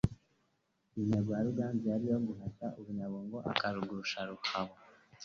Intego ya Ruganzu yari iyo guhashya u Bunyabungo akabugusha ruhabo